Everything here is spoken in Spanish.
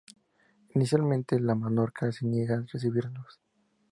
Inicialmente, el monarca se niega a recibirlos.